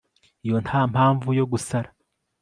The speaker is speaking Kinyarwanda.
iyo ntampamvu yo gusara